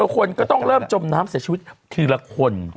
คนก็ต้องเริ่มจมน้ำเสียชีวิตทีละคน